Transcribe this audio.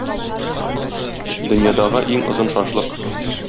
Дөньядагы иң озын шашлык!